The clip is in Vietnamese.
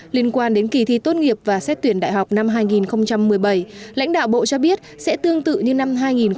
liên quan đến kỳ thi tốt nghiệp và xét tuyển đại học năm hai nghìn một mươi bảy lãnh đạo bộ cho biết sẽ tương tự như năm hai nghìn một mươi tám